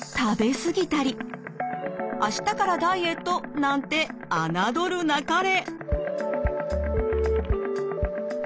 「明日からダイエット！」なんて侮るなかれ。